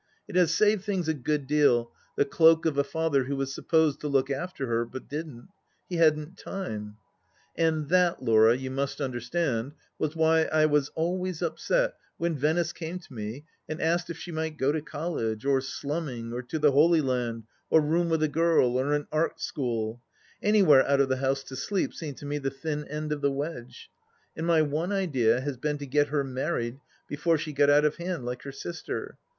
It has saved things a good deal, the cloak of a father who was supposed to look after her — ^but didn't. He hadn't time. And that, Laura, you must understand, was why I was always upset when Venice came to me and asked if she might go to college, or slumming, or to the Holy Land, or room with a girl, or an Art School 1 Anywhere out of the house to sleep seemed to me the thin end of the wedge 1 And my one idea has been to get her married before she got out of hand like her sister.